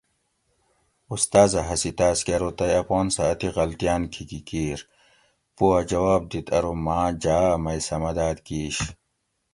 استاز اۤ ہسی تاۤس کہۤ ارو تئ اپان سہۤ اتی غلطیاۤن کھیکی کِیر؟ پو اۤ جواب دِیت ارو ماۤں جاۤ اۤ مئ سہۤ مداد کِیش